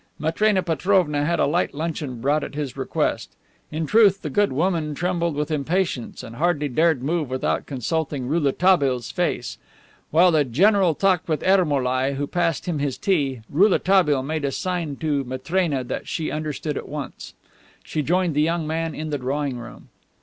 Matrena Petrovna had a light luncheon brought at his request. In truth, the good woman trembled with impatience and hardly dared move without consulting Rouletabille's face. While the general talked with Ermolai, who passed him his tea, Rouletabille made a sign to Matrena that she understood at once. She joined the young man in the drawing room.